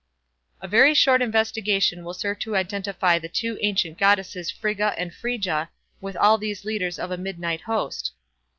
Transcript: A very short investigation will serve to identify the two ancient goddesses Frigga and Freyja with all these leaders of a midnight host.